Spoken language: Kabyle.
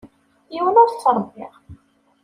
Yiwen ur t-ttṛebbiɣ.